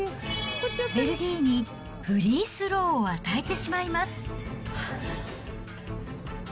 ベルギーにフリースローを与えてしまいます。